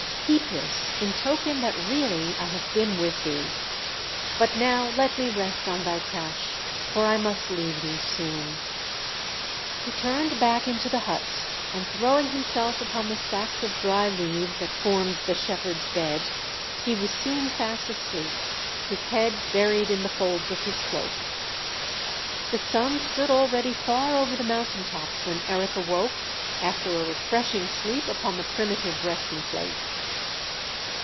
"Keep this in token that really I have been with thee; but now let me rest on thy couch, for I must leave thee soon." He turned back into the hut, and throwing himself upon the sacks of dry leaves that formed the shepherd's bed, he was soon fast asleep, his head buried in the folds of his cloak. The sun stood already far over the mountain tops when Eric awoke after a refreshing sleep upon the primitive resting place.